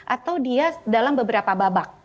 atau dia dalam beberapa babak